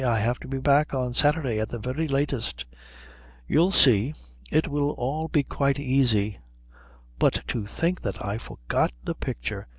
I have to be back on Saturday at the very latest." "You'll see. It will all be quite easy." "But to think that I forgot the picture!"